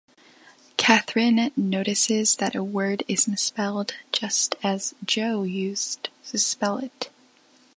Katherine notices that a word is misspelled just as Joe used to spell it.